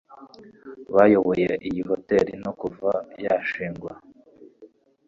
Bayoboye iyi hoteri nto kuva yashingwa